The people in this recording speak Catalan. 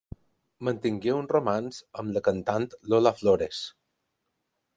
Mantingué un romanç amb la cantant Lola Flores.